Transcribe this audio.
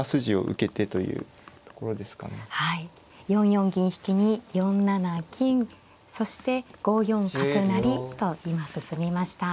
４四銀引に４七金そして５四角成と今進みました。